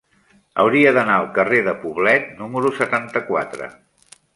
Hauria d'anar al carrer de Poblet número setanta-quatre.